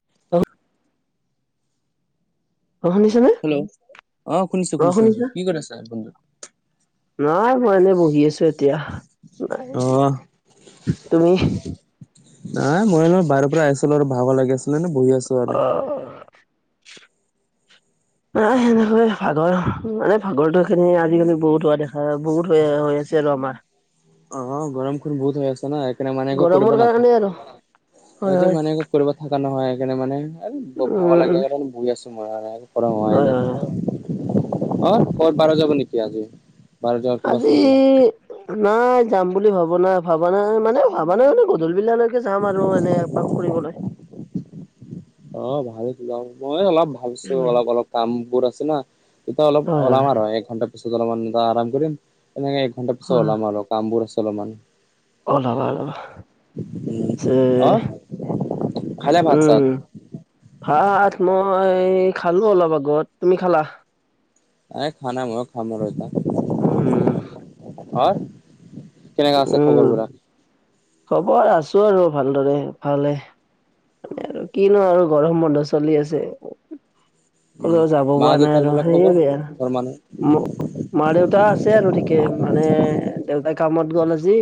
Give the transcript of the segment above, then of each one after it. [unintelligible] অ শুনিছা নে! হেল্লো' অ শুনিছো শুনিছো শুনিছো কি কৰি আছা বন্ধু,? নাই মই এনেই বহি আছো এতিয়া নাই। অ তুমি। নাই মই অলপ বাহিৰৰ পৰা আহিছিলো আৰু ভাগৰ লাগি আছিলে নে বহি আছো আৰু। অ। এ সেনেকয়ে ভাগৰ মানে ভাগৰ তো এইখিনি আজিকালি বহুত হোৱা দেখা বহুত হৈ আছে। চেৰমা। অ গৰম খন বহুত হৈ আছে ন সেইকাৰণে মানে একো কৰিব গৰমৰ নাথ। কাৰণে আৰু হয় এইটো হয় মানে কৰিব থাকা নহয় এইকাণে মানে ভাগৰ উম লাগে উম কাৰণ বহি আছো। মৰাই হয় নাই হয় হয় [unintelligible] অ ক'ত বাৰ যাব নেকি আজি। বাহিৰত যোৱাৰ কিবা আছে আজি নেকি? নাই যাম বুলি ভবা নাই ভবা নাই মানে ভবা গধূলি বিলালৈ যাম আৰু এনে এপাক ফুৰিবলৈ। অ ভাবিছো মই অলপ ভাবিছো উম অলপ অলপ কাম বহুত আছে না। এতিয়া অলপ হয় হয় ওলাম আৰু এক ঘণ্টাৰ পিছত অলপমান আৰাম কৰিম এনেকে এক ঘণ্টাৰ পিছত ওলাম আৰু। কামবোৰ আছে অলমান। অলাবা আৰু উম চে অ খালে ভাত চাত উম। ভাত মই খালো অলপ আগত তুমি খালা। এ খোৱা নাই মইয়ো খাম আৰু এদিনা। [unintelligible] ওম। হা কেনেকুৱা আছে উম। খবৰ বিলাক। খবৰ আছো আৰু ভালদৰে ভালে এ আৰু কিনো আৰু গৰম বন্ধ চলি আছে। কলো উম যাব মা পৰা নাই দেউতাৰ আৰু বিলাক সেই খবৰ ঘৰ মানুহ বেয়া ম। মা দেউতা আছে আৰু ঠিকে মানে দেউতা কামত গল আজি।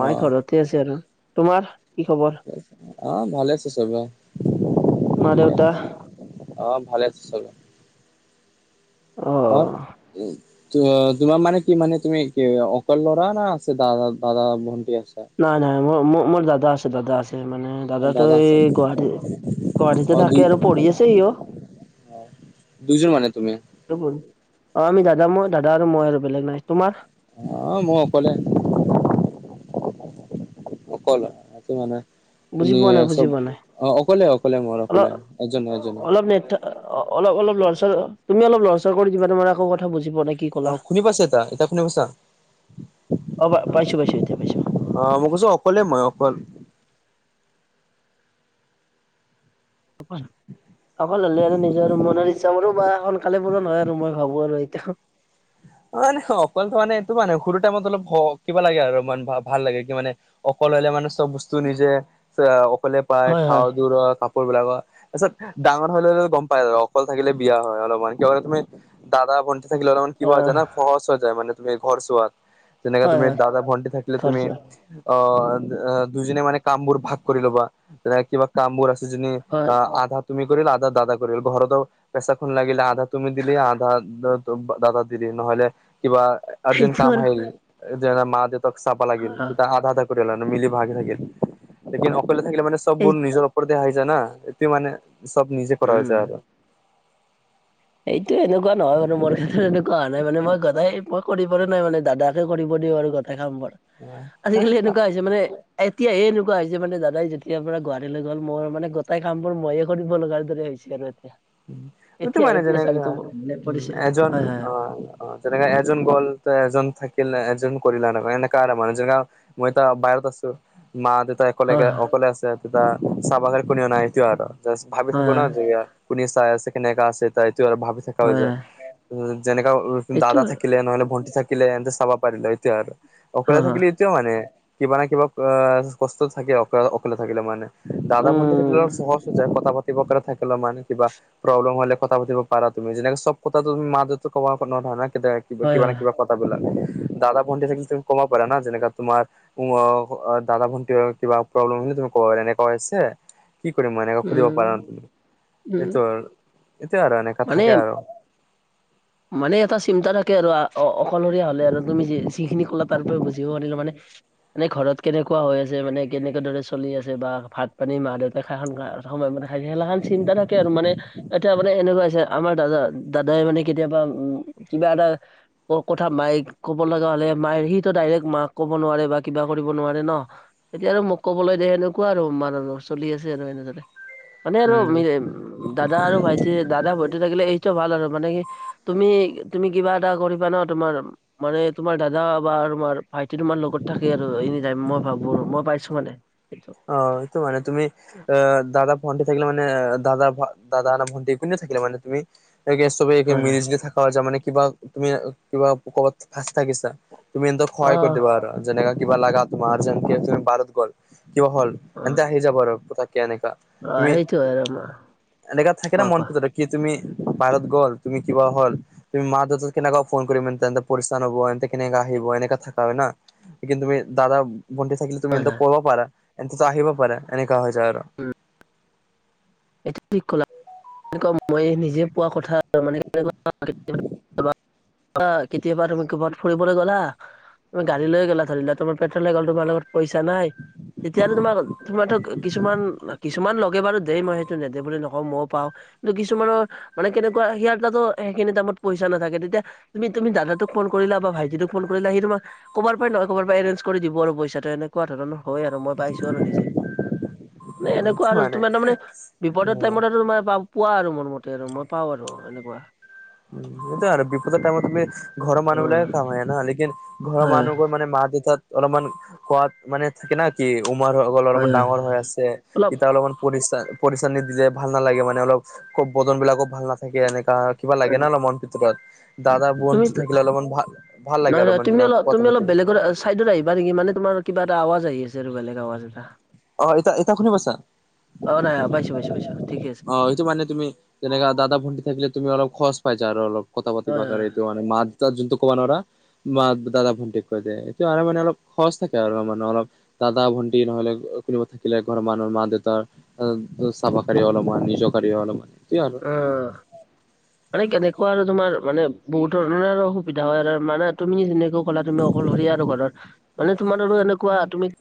অ মায়ে ঘৰতে আছে আৰু তোমাৰ কি খবৰ অ ভালে আছে চবে মা ঠিকে দেউতা আছে অ ভালে আছে চবে। অ উম। তোৱা তোমাৰ মানে কি মানে তুমি কি অকল ল'ৰা না আছে দাদা দাদা ভন্টি আছে। নাই নাই মই মো মোৰ দাদা আছে দাদা আছে মানে দাদা দাদটোই আছে গুৱাহাটী গুৱাহাটীতে অ দুই থাকে আৰু পঢ়ি আছে ইউ। দুইজন মানে তুমি। অ আমি দাদা মই দাদা আৰু মই আৰু বেলেগ নাই তোমাৰ। অ মই অকলে অকলে আছোঁ মানে বুজি পোৱা সোনিয়ে নাই বুজি চব, পোৱা নাই। অ অকলে অকলে মোৰ অকলে এজনে এজনে অ অলপ অলপ লৰচৰ তুমি অলপ লৰচৰ কৰি দিবা তোমাৰ আকৌ কথা কথা বুজি পোৱা নাই কি অ কলা, শুনি পাইছে এতিয়া এতিয়া শুনি পাইছা অ পাইছো পাইছো এতিয়া পাইছো অ মই কৈছো অকলে মই অকল অকলে হলে আৰু নিজৰ মনৰ ইচ্ছ মোৰো বা এখন কাইলে পৰৌ নহ‌য় আৰু মই ভাবো আৰু এতিয়া অ অকলো মানে এইটো মানে সৰু টাইমত অলপ ভ কিবা লাগে আৰু মান ভাল লাগে কি মানে অকল হলে মানে চব বস্তু নিজে অকলে পায় হয় হয় খাওঁ দুৰৰ কা পোৰ বিলাকৰ তাৰ পিছত ডাঙৰ হলে গম পাই আৰু অকল থাকিলে বিয়া হয় অলপমান কিয় কাৰণ তুমি দাদা ভন্তি থাকিলে অলমান কিবা হৈ আহ যানা সহজ হৈ যায় মানে তুমি ঘৰ চুৱাত যেনেকে হয় তুমি হয় দাদা ভণ্টি থাকিল তুমি খৰচা অ দুইজনে মানে কাম বোৰ ভাগ কৰি ল'বা যেনেকে কিবা কামবোৰ আছে যিনি হয় আধা তুমি কৰিলে আধা দাদা কৰিলে ঘৰত আৰু পেচাখন লাগিলে আধা তুমি দিলি আধা দাদা দিলি নহলে কিবা আৰ্জেণ্ট সেইটো কাম আৰু আহিল যে মাক-দেউতাক চাবা লাগিল তেতিয়া আধা আধা মিলি ভাগি থাকিল লেকিন অকলে থাকিলে মানে এই চববোৰ নিজৰ আহি যায় না ইটো মানে চব নিজে কৰা হৈ উম যায় আৰু। এইটো এনেকুৱা নহয় মানু মোৰ ক্ষেত্ৰত এনেকুৱা হা নাই মান মই গাই মই কৰিবলৈ নাই মানে দাদাকে কৰিব দিও আৰু ঘত এঘাম্বৰ আজিকালি এনেকুৱা হৈছে মানে এতিয়ে এনেকুৱা হৈছে মানে দাদাই যেতিয়াৰ পৰা গুৱাহাটীলৈ গ'ল মোৰ মানে গোটেই কাম বোৰ মইয়ে কৰিব লগাৰ দৰে হৈছে। সেইটো এতিয়া [unintelligible] উম, সটো এতিয়াহে মানে যেনেক প্ৰেছাৰটো মোৰ মানে উম, পৰিছে। এজন হয় হয় অ', অ', যেনেকা এজন গ'ল এজন থাকিলে এজন কৰিলা এনে এনেককা আৰু মানে যেনে মই ত বাহিৰত আছো মা দেউতা হয় অকলেকে হয় অকলে আছে তেতিয়া চাহাবাগে কোনেও নাই এইটোৱে আৰু জাষ্ট ভাবি হয় থাকো ন যেয়া কুনি চাই আছে কেনে আছে তাই তো আৰু ভাবিছ থা হৈ হয় হয় যায় হয় যেনেকা এইটো দাদা থাকিলে নহলে ভন্টি থাকিলে এন্ত চাবা পাৰিলে এটোয়া আৰু। অকলে হয় হয় থাকিলে এতিয়াও মানে কিবা না কিবা অ, কষ্ট থাকে অক - অকলে থাকিলে মানে। দাদা ভণ্টি থাকিলে উম অলপ সহজ হৈ যায় কথা পাতিবকে থাকিলে মানে কিবা প্ৰব্লেম হলে কথা পাতিব পাৰা তুমি যেনেকে চব কথা মা দেউতো ক'ব নোৱাৰা ন। [unintelligible] হয় কিবা ন হয় কিবা কথা ব নে দাদা ভণ্টি থাকিলে কব পাৰা না যেনেকা তোমাৰ উম, দাদা ভণ্টি কিবা প্ৰব্লেম তুমি কব পাৰা, এনেকা হৈছে। কি কৰিম ম এনেক সুধিব উম পাৰা তুমি উম এইটো আৰু এইটো আৰু এনেক মানে মানে এটা চিন্তা থাকে আৰু অকলশৰীয়া হ'লে আৰু তুমি যিখিনি কলা তাৰ পৰা বুজিব পাৰিলো মানে মানে ঘৰত কেনেকুৱা হৈ আছে মানে কেনেকে দৰে চলি আছে বা ভাত পানী মাহত খা-খা সময় মানে খেলা খন চিন্তা থাকে আৰু মানে এতিয়া মানে এনেকুৱা আমাৰ দাদা - দাদাই মানে কেতিয়াবা উম কিবা এটা অ, কথা মায়ে ক'ব লগা হ'লে মায় সিটো ডাইৰেক্ট মাক ক'ব নোৱাৰে বা কিবা কৰিব নোৱাৰে ন। এতিয়া আৰু মোক ক'বলৈ দে সেনেকুৱা আৰু চলি আছে আৰু এনেদৰে। মানে আৰু উম। দাদা আৰু ভাইটি দাদা ভাইটি থাকিলে এইটো ভাল আৰু মানে কি। তুমি - তুমি কিবা এটা কৰিবা ন তোমাৰ মানে তোমাৰ দাদা বা তোমাৰ ভাইটি তোমাৰ লগত থাকে আৰু এনে ম মই ভাবো মই পাইছো মানে। স চ [unintelligible] অ, সেইটো মানে তুমি আহ দাদা ভণ্টি থাকিলে মান দাদা - দাদা ভণ্টি কনে থাকিলে মানে তুমি ত এ হয় [unintelligible] হয় মিলিজ দ থাকা হৈ যায় মে কিবা তুমি কিবা কবাত ভাজ থাকিছা। তুমি এন্তক অ সহায় কৰি দিবা আৰু যেনকা কিবা লাগা তোমাৰ যেন তুমি বাৰত গল কিবা হল অ এন্তে আহি যাব আৰু কথাকে এনেকা অ তুমি সেইটোৱে আৰু আমাৰ। এনেকা থাকিলা কোৱা মন কোৱা পিত কি তুমি বাৰত গ'ল তুমি কিবা হ'ল। তুমি মা - দেউতাক কেনেকা ফোন কৰিমন্ত এন্তে পৰিস্থান হব এন্তে কেনেকাে আহিব এনেকা থাকা হয় ন। কিন্তু তুমি দাদা ভণ্টি থাকিলে তুমি হয় এন্তক হয় কব পাৰা এহেতোটো আহিব পাৰা এনেকা হৈ যায় আৰু। উম, এইটো ঠিক কলা। এনেকুৱা মই নিজে পোৱা কথা মানে অ, কেতিয়াবা তুমি ক'বাত ফুৰিবলৈ গলা। গাড়ী লৈ গলা ধৰি লোৱা তোমাৰ পেট্ৰল শেষ হল তোমাৰ লগত পইচা নাই তেতিয়া আৰু তোমাক তোমাৰটো কিছুমান কিছুমান লগে বাৰু দেই মই নেদে বুলি নকও ময়ও পাও। কি কিছুমানৰ মানে কেনেকুৱা সেয়া তাতো সেইখিনি দামত পইচা নাথাকে তেতিয়া তুমি - তুমি দাদাটোক ফোন কৰিলা বা ভাইটিটোক ফোন কৰিলা সি তোমাক ক'বাৰ পৰা নহয় ক'ব পৰা এৰেঞ্জ কৰি দিব আৰু পইচাটো এনেকুৱা ধৰণৰ হয় আৰু মই পাইছো আৰু নিজে। এনেকুৱা আৰু মানে তোমাৰ তাৰমানে বিপদ টাইমত তোমাৰ প পোৱা আৰু মোৰ মতে আৰু মই পাওঁ আৰু এনেকুৱা। উম সেইটোৱে আৰু বিপদৰ টাইমত তুমি ঘৰ অ মানুহ বিলাকে কাম আহে ন লেকিন ঘৰৰ হয় মানুহ গৈ মানে মা - দেউতাত অলপমান খোৱাদ মানে থাকে না কি উমাৰ কলৰ হয় অলপমান ডাঙৰ হয় হৈ আছে অলপ এতিয়া অলপমান পৰিচা পৰিচানিত দিলে ভাল নালাগে মানে অলপ ক বজন বিলাকো ভাল নাথাকে এনেকা। কিবা লাগে হয়। ন অলপ মন ভিতৰত। দাদা বোন তুমি থাকিলে অলপ মান ভা - ভাল লাগে নহয় আৰু নহয় তুমি মানে অলপ কথা তুমি অলপ পাতিব। বেলেগৰ চাইডত আহিবা নেকি মানে তোমাৰ কিবা এটা আৱাজ আহি আছে আৰু বেলেগ আৱাজ এটা। অ এতা এতিয়া শুনি পাইছা? অঁ নাই, পাইছোঁ পাইছোঁ পাইছোঁ পাইছোঁ ঠিক আছে। অ সেইটো মানে তুমি যেনেকা দাদা, ভণ্টি থাকিলে তুমি অলপ খৰচ পাই যা অলপ কথা পাতিব হয় কাৰণে হয় সেইটো মানে। মা, দেউতাক যোনটো কব নোৱাৰা মা, দাদা ভণ্টিক কৈ দে, এইটো আৰু মানে অলপ সহজ থাকে আৰু মানে অলপ। দাদা, ভন্টি নহলে কোনোবা থাকিলে ঘৰৰ মানুহৰ মা - দেউতাৰ চাব পাৰি অলপ বা নিজৰ কাৰ অলপমান সেইয়াই আ মানে কেনেকুৱা আৰু তোমাৰ মানে বহুত ধৰণৰ আৰু অসুবিধা হয় আৰু মানে তুমি যেনেকুৱা কলা তুমি অ অকলশৰীয়া আৰু ঘৰৰ মানে তোমাৰ আৰু এনেকুৱা তুমি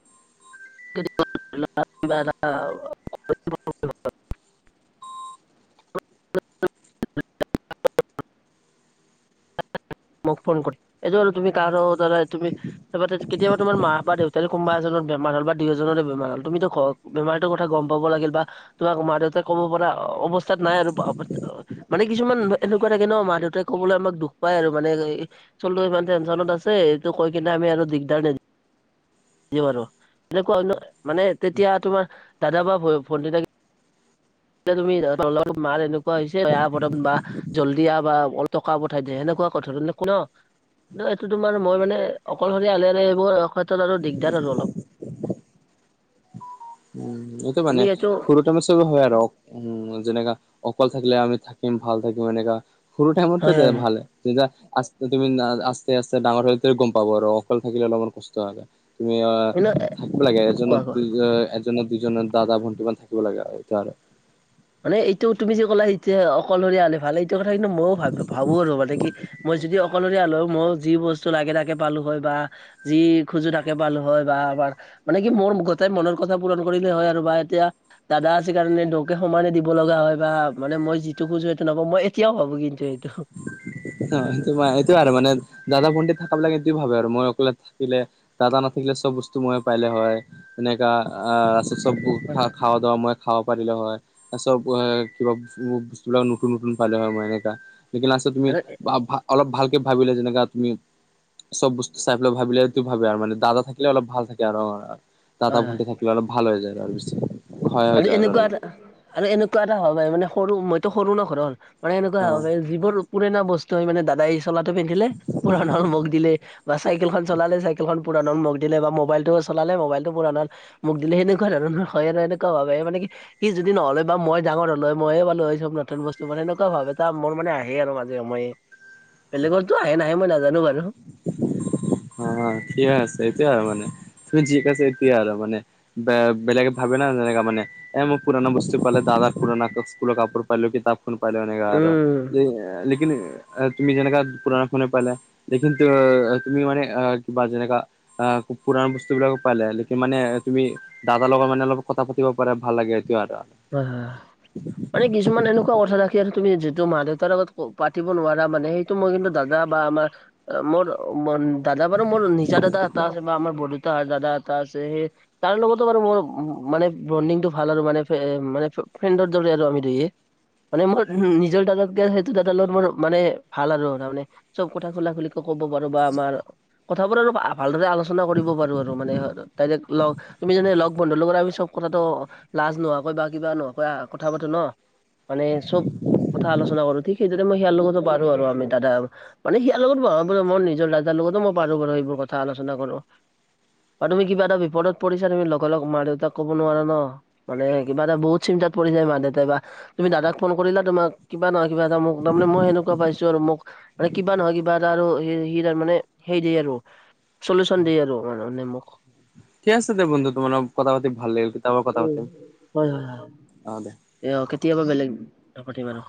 [unintelligible] [unintelligible] অ [inaudible] [unintelligible] [inaudible] মোক ফোন কৰি এইটো আৰু তুমি কাৰো দ্বাৰা তুমি তল তে কেতিয়াবা তোমাৰ মা বা দেউতাৰে কোনোবা এজনৰ বেমাৰ হ'ল বা দুয়ো জনৰে বেমাৰ হল তুমিতো ঘৰ বেমাৰটোৰ কথা গম পাব লাগিল বা তোমাক মা - দেউতাক ক'ব পৰা অৱস্থাত নাই আৰু পা পাছে আও মানে কিছুমান এনেকুৱা থাকে ন মা - দেউতাই ক'বলৈ আমাক দু ও পাই আৰু মানে চলো ইমান টেনশনত আছে এইটো কৈ কিনে আমি আৰু দিগদাৰ দিব পাৰোঁ, তেনেকুৱা মানে তেতিয়া তোমাৰ দাদা বা ভ ভণ্টি থাকি য়া তুমি তলত মাৰ এনেকুৱা হৈছে বেয়া বৰ বা জলডি আহ বা অলপ টকা পঠাই দে সেনেকুৱা কথা বিলাক ন। ন এইটো তোমাৰ মই মানে অকলশৰীয়া হলে আৰু এইবোৰ ক্ষেত্ৰত আৰু দিগদাৰ আৰু অলপ। [unintelligible] উম, এইটো মানে সৰু তমে চব হয় আৰু উম যেনেকা অকল থাকিলে আমি থাকিম ভাল থাকিম এনেকা সৰু টাইমততো হয় দে হয় হয়। ভালে। তেতিয়া আস্তে তুমি আস্তে আস্তে ডাঙৰ হৈলে ত গম পাব আৰু অকলে থাকিলে অলপমান কষ্ট হয়। তুমি অ ন থাকিব লাগে কোৱা এজনত কোৱা ও অ দুজনৰ দাদা ভণ্টি বান থাকিব লাগে আও জানো। মানে এইটো তুমি যে ক'লা এতিয়া অকলশৰীয়া হলে ভালে, এইটো কথা কিন্তু মইও ভাবো ভাবো আৰু মানে কি মই যদি অকলশৰীয়া হলোঁ হয় মই যি বস্তু লাগে তালে পালো হয় বা যি খোজো তাকে পালো হয় বা আমাৰ মানে কি মোৰ সদাই মনৰ কথা পূৰণ কৰিলে হয় আৰু বা এতিয়া দাদা আছে কাৰণে দুয়োকে সমানে দিব লগা হয় বা মানে মই যিটো খুজো সেইটো নাপওঁ মই এতিয়াও ভাবো কিন্তু সেইটো। অ সেইটো মই সেইটোৱে আৰু মানে দাদা, ভণ্টি থাকাবিলাকে এইটোৱে ভাবে আৰু মই অকলে থাকিলে দাদা নাথাকিলে চব বস্তু মই পাইলে হয় এনেকা আহ চব চব হয় খা হয় খাৱ দ মই খাব পাৰিলো হয়, চব কিবা বস্তুবিলাক নতুন - নতুন পালে হয় মই এনেকা। লেকিন আছতে তুমি আৰু ভা ভা অলপ ভালকে ভাবিলে যেনেকা তুমি চব বস্তু চাই পেলাই ভাবিলেটো ভাবে আৰু মানে দাদা থাকিলে অলপ ভাল থাকে আৰু অ। দাদা হয় - হয় ভণ্টি থাকিলে আৰু ভাল হৈ যায় আৰু পিছে। আৰু এনেকুৱা এটা আৰু এনেকুৱা এটা হয় ব মানে সৰু মইতো সৰু ন ঘৰৰ মানে এনেকুৱা অ হব পাই যিবোৰ পুৰণা বস্তু হয় মানে দাদাই চলাটো পিন্ধিলে পুৰনা হল মোক দিলে বা চাইকেলখন চলালে, চাইকেলখন পুৰনা হল মোক দিলে, বা মোবাইলতটো চলালে মোবাইল টো পুৰনা হল মোক দিলে, সেনেকুৱা ধৰণৰ হয়ে আৰু এনেকুৱা ভাবে মানে কি হি যদি নহলে বা মই ডাঙৰ হলোঁ হয় মইয়ে পালোঁ হয় সব নতুন বস্তু মানে এনেকুৱা ভাব এটা মোৰ মানে আহে আৰু মানে মই। বেলেগৰ টো আহে নাহে মই নাজানো বাৰু। অ ঠিকে আছে, এইটোয়ে আৰু মানে [unintelligible] তুমি যি কৈছা এইটোয়োৱে আৰু মানে। ব বেলেগে ভাবে না তেনেকা মানে এ মই পুৰণা বস্তু পালে দাদাৰ পুৰণা স্কুলৰ কাপোৰ পালো, কিতাপ ফোন পাল এনেকা আৰু উম [inaudible] লেকিন তুমি যেনেকা পুৰণা ফোনে পালা কিন্তু তুমি মানে আ বা যেনেকা আহ খুব পুৰনা বস্তু বিলাকো পালে, লেকিণ মানে তুমি দাদা লগৰ মানে অলপ কথা পাতিব পাৰে ভাল লাগে, এইটোৱে আৰু। হয় [inaudible] মানে কিছুমান এনেকুৱা কথা ৰাখি আৰু তুমি যিটো মা দেউতাৰ লগত পাতিব নোৱাৰা মানে সেইটো মই কিন্তু দাদা বা আমাৰ মোৰ দাদা বাৰু মোৰ নিজা দাদা এটা আছে বা আমাৰ ব দাদা এটা আছে সেই তাৰ লগতো বাৰু মোৰ মানে বডিং টো ভাল আৰু মানে মানে ফ্ৰেণ্ডৰ দৰে আৰু আমি দুয়ে। মানে মোৰ নিজৰ দাদাকে সেইটো দাদাৰ লগত মোৰ মানে ভাল আৰু তাৰ মানে চব কথা খোলা খুলি কে ক'ব পাৰো বা আমাৰ কথাবোৰ আৰু ভালদৰে আলো চনা কৰিব পাৰো আৰু মানে, [unintelligible] তুমি যেনে লগ বন্ধুৰ লগত আমি চব কথাটো লাজ নহোৱা কয় বা কিবা নক কথা পাতো ন, মানে চব কথা আলোচনা কৰো ঠিক সেইটোতে মই সেয়াৰ লগতো পাৰো আৰু আমি দাদা মানে সিয়াৰ লগতো ভ মই নিজৰ দাদাৰ লগতো মই পাৰো বাৰু সেইবোৰ কথা আলোচনা কৰো। আৰু তুমি কিবা এটা বিপদত পৰিছা তুমি লগৰ লগ মা দেউতাক ক'ব নোৱাৰা ন, মানে কিবা এটা বহুত চিন্তাত পৰি যায় মা দেউতাই বা, ‌তুমি দাদাক ফোন কৰিলা তোমাক কিবা নহয় কিবা এটা মোক, তাৰমানে মই সেনেকৱা পাইছো আৰু মোক মানে কিবা নহয় কিবা এটা আৰু সি তাৰ মানে হেইৰি দেই আৰু চলিউচন দিয়ে আৰু মানে মোক। ঠিক আছে দে বন্ধু তোমাৰ কথা পাতি ভাল লাগিল, কেতিয়া বা কথা উম পাতিম, হয় হয় হয় অ দে। এ অ কেতিয়াবা বেলেগ, নাপাতিম আৰু।